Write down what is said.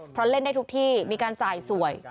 เพราะเล่นได้ทุกที่มีการจ่ายสวย